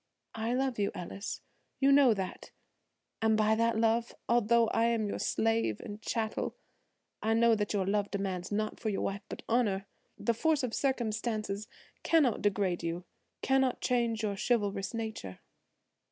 "I love you, Ellis; you know that, and by that love, although I am your slave and chattel, I know that your love demands naught for your wife but honor. The force of circumstances cannot degrade you–cannot change your chivalrous nature."